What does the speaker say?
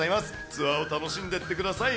ツアーを楽しんでってください。